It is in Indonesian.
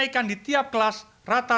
iuran bpjs ini